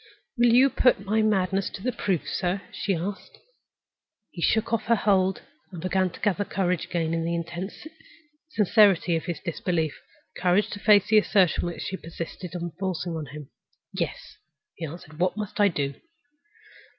"Will you put my madness to the proof, sir?" she asked. He shook off her hold; he began to gather courage again, in the intense sincerity of his disbelief, courage to face the assertion which she persisted in forcing on him. "Yes," he answered. "What must I do?"